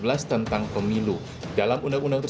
dalam undang undang tersebut tidak ada larangan mantan koruptor